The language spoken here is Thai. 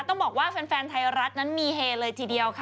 ต้องบอกว่าแฟนไทยรัฐนั้นมีเฮเลยทีเดียวค่ะ